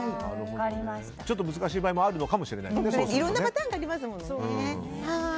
難しい場合もあるかもしれないですね。